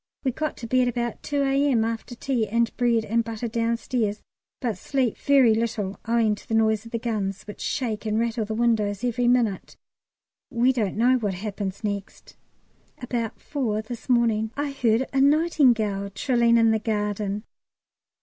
We got to bed about 2 A.M. after tea and bread and butter downstairs, but slept very little owing to the noise of the guns, which shake and rattle the windows every minute. We don't know what happens next. At about four this morning I heard a nightingale trilling in the garden.